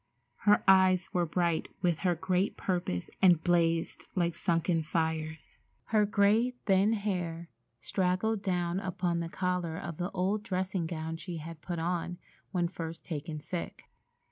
Her eyes were bright with her great purpose and blazed like sunken fires. Her gray, thin hair straggled down upon the collar of the old dressing gown she had put on when first taken sick.